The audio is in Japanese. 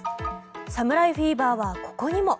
侍フィーバーはここにも。